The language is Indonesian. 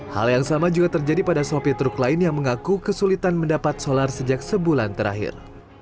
hal yang sama juga terjadi pada sopir truk lain yang mengaku kesulitan mendapat solar sejak sebulan terakhir